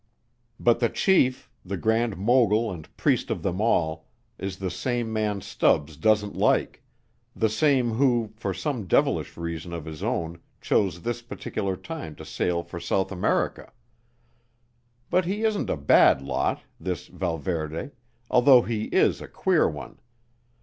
"But the Chief, the Grand Mogul and priest of them all, is this same man Stubbs doesn't like the same who, for some devilish reason of his own chose this particular time to sail for South America. But he isn't a bad lot, this Valverde, though he is a queer one.